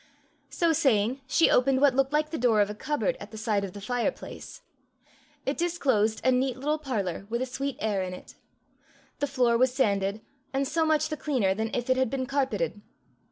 So saying, she opened what looked like the door of a cupboard at the side of the fireplace. It disclosed a neat little parlour, with a sweet air in it. The floor was sanded, and so much the cleaner than if it had been carpeted.